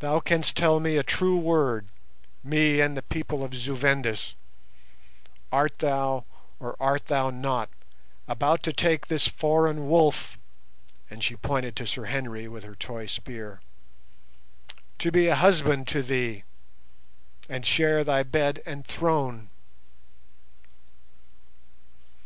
"Thou canst tell me a true word—me and the people of Zu Vendis. Art thou, or art thou not, about to take this foreign wolf," and she pointed to Sir Henry with her toy spear, "to be a husband to thee, and share thy bed and throne?"